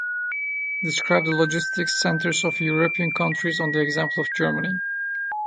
Describe the logistics centers of European countries on the example of Germany.